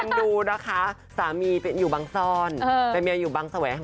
เออคุณผู้ชมชอบ